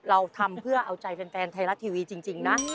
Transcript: เราทำเพื่อเอาใจแฟนไทยรัฐทีวีจริงนะ